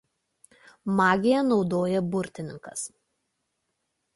Magija naudoja burtininkas.